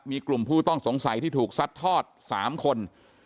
มีกลุ่มผู้ต้องสงสัยที่ถูกซัดทอด๓คน